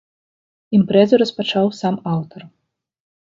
Імпрэзу распачаў сам аўтар.